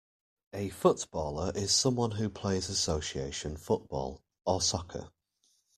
A footballer is someone who plays Association Football, or soccer